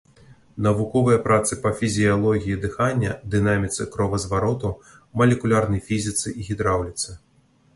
Навуковыя працы па фізіялогіі дыхання, дынаміцы кровазвароту, малекулярнай фізіцы і гідраўліцы.